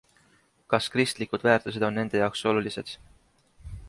Kas kristlikud väärtused on nende jaoks olulised?